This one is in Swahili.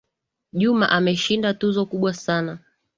Juma ameshinda tuzo kubwa sana